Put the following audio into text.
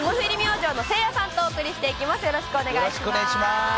よろしくお願いします。